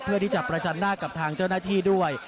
เพื่อที่จะประจันหน้ากับทางเจ้าหน้าที่ด้วย